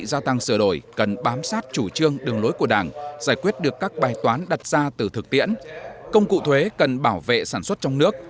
gia tăng sửa đổi cần bám sát chủ trương đường lối của đảng giải quyết được các bài toán đặt ra từ thực tiễn công cụ thuế cần bảo vệ sản xuất trong nước